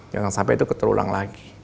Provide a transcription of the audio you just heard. jangan sampai itu terulang lagi